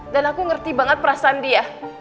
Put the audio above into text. dan aku ngerti banget perasaan dia